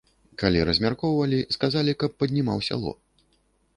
Калі размяркоўвалі, сказалі, каб паднімаў сяло.